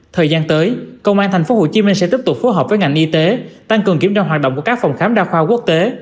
thời gian tới công an tp hcm sẽ tiếp tục phối hợp với ngành y tế tăng cường kiểm tra hoạt động của các phòng khám đa khoa quốc tế